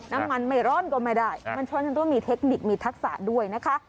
น้ำมันไม่ร้อนกว่าไม่ได้มันช่วยกันด้วยมีเทคนิคมีทักษะด้วยนะฮะ